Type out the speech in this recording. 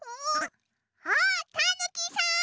あったぬきさん！